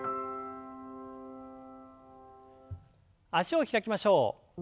脚を開きましょう。